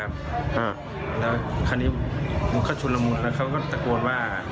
แล้วคราวนี้มันก็ชุนละมุนแล้วเขาก็ตะโกนว่า